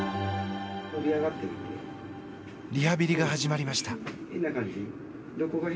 リハビリが始まりました。